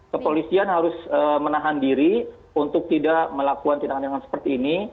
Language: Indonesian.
kepolisian harus menahan diri untuk tidak melakukan tindakan tindakan seperti ini